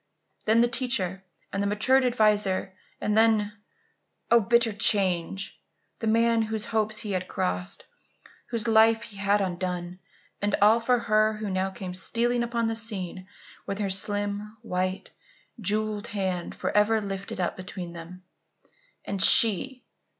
Then the teacher and the matured adviser; and then oh, bitter change! the man whose hopes he had crossed whose life he had undone, and all for her who now came stealing upon the scene with her slim, white, jewelled hand forever lifted up between them. And she!